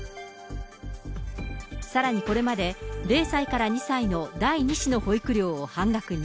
さらに、これまで０歳から２歳の第２子の保育料を半額に。